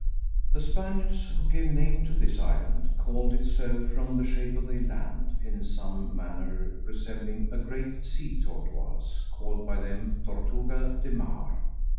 The Spaniards, who gave name to this island, called it so from the shape of the land, in some manner resembling a great sea tortoise, called by them Tortuga de mar.